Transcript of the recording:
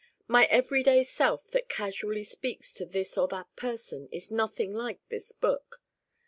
My everyday self that casually speaks to this or that person is nothing like this book.